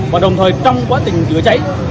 và đồng thời trong quá trình chữa cháy